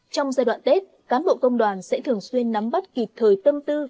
trong giai đoạn tết cán bộ công đoàn sẽ thường xuyên nắm bắt kịp thời tâm tư